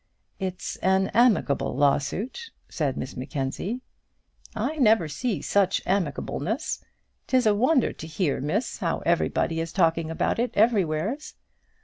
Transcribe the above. "It's an amicable lawsuit," said Miss Mackenzie. "I never see such amicableness! 'Tis a wonder to hear, Miss, how everybody is talking about it everywheres.